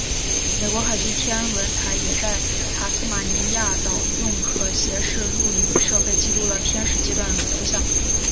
美国海军天文台也在塔斯马尼亚岛用可携式录影设备记录了偏食阶段的图像。